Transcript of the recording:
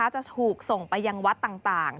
จะถูกส่งไปยังวัดต่าง